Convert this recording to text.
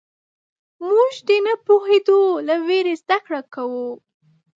موږ د نه پوهېدو له وېرې زدهکړه کوو.